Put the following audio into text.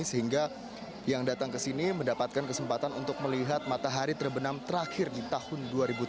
sehingga yang datang ke sini mendapatkan kesempatan untuk melihat matahari terbenam terakhir di tahun dua ribu delapan belas